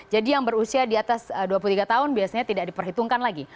jadi yang berusia di atas dua puluh tiga tahun biasanya tidak diperhitungkan lagi